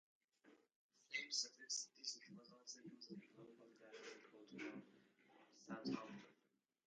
The same suffix digit was also used in local dialling codes from Southampton.